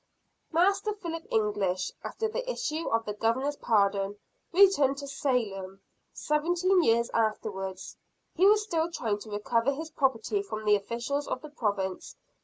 Master Philip English, after the issue of the Governor's pardon, returned to Salem. Seventeen years afterwards, he was still trying to recover his property from the officials of the Province.